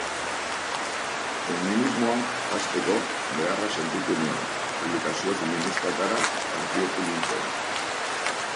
Feminismoan janzteko beharra sentitu nuen, publikazio feministetara harpidetu nintzen.